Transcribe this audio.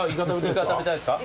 イカ食べたいですか？